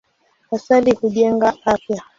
Asali hujenga afya.